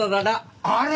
あれ！？